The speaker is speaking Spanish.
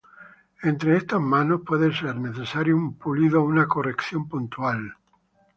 Entre estas manos, puede ser necesario un pulido o una corrección puntual.